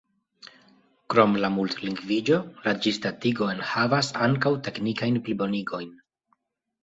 Krom la multlingviĝo la ĝisdatigo enhavas ankaŭ teknikajn plibonigojn.